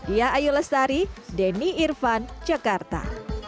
ya ayo lestari denny irvan cekarta